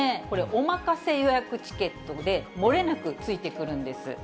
これ、おまかせ予約チケットで、もれなくついてくるんです。